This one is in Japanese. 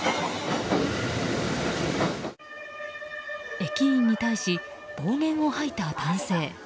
駅員に対し、暴言を吐いた男性。